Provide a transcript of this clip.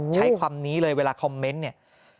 ใช้คำนี้เลยเวลาคอมเมนต์เนี่ย